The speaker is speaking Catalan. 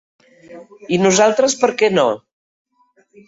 I nosaltres, per què no?